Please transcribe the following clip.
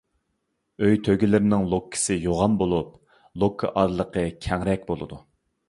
ئۆي تۆگىلىرىنىڭ لوككىسى يوغان بولۇپ، لوككا ئارىلىقى كەڭرەك بولىدۇ.